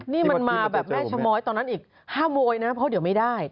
นี่มันมาแบบแม่ชะม้อยตอนนั้นอีก๕โมยนะเพราะเดี๋ยวไม่ได้